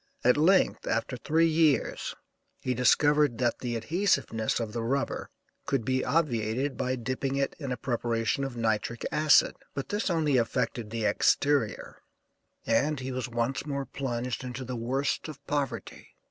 At length, after three years he discovered that the adhesiveness of the rubber could be obviated by dipping it in a preparation of nitric acid. But this only affected the exterior, and he was once more plunged into the worst of poverty.